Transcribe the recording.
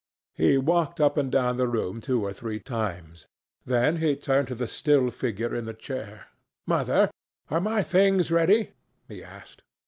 He walked up and down the room two or three times. Then he turned to the still figure in the chair. "Mother, are my things ready?" he asked.